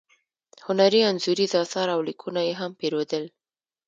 هنري انځوریز اثار او لیکونه یې هم پیرودل.